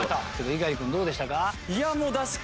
猪狩君どうでしたか？